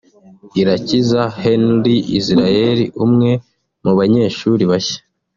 Irakiza Henry Israel umwe mu banyeshuri bashya